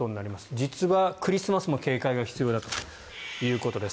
実はクリスマスも警戒が必要だということです。